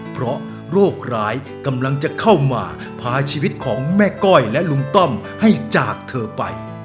เพราะโรคร้ายกำลังจะเข้ามาพาชีวิตของแม่ก้อยและลุงต้อมให้จากเธอไป